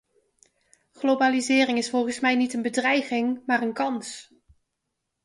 Globalisering is volgens mij niet een bedreiging, maar een kans.